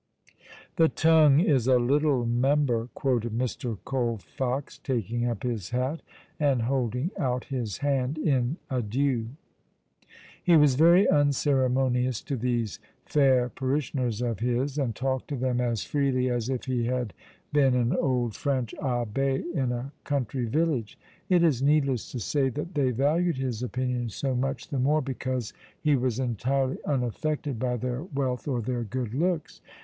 "The tongue is a little member," quoted Mr. Colfox, taking up his hat, and holding out his hand in adieu. He was very unceremonious to these fair parishioners of his, and talked to them as freely as if he had been an old French Abbe in a country village. It is needless to say that they valued his opinion so much the more because he was entirely unaffected by their wealth or their good looks.